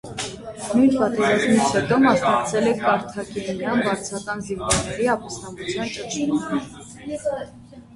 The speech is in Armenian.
Նույն պատերազմից հետո մասնակցել է կարթագենյան վարձկան զինվորների ապստամբության ճնշմանը։